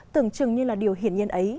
tưởng chừng như là điều hiển nhiên ấy